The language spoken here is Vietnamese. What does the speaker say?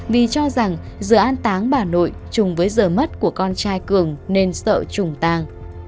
vì cho rằng giữa an táng bà nội chung với giờ mất của con trai cường nên sợ chủng tàng